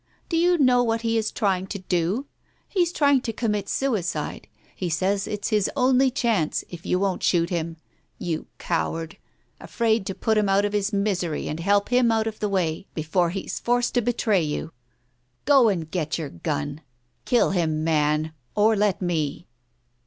Do you know what he is trying to do? He's trying to commit suicide — he says it's his only chance, if you won't shoot him. You coward 1 Afraid to put him out of his misery and help him to get out of the way before he's forced to betray you ! Go and get your gun ! Kill him, man — or let me."